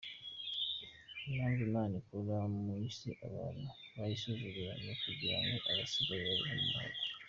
Impamvu imana ikura mu isi abantu bayisuzugura, nukugirango abasigaye babeho mu mahoro.